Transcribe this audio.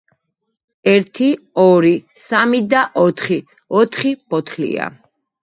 ერთი, ორი, სამი და ოთხი; ოთხი ბოთლია.